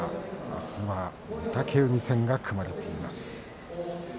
あすは御嶽海戦が組まれています。